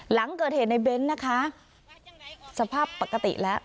หลังเกิดเหตุในเบ้นนะคะสภาพปกติแล้ว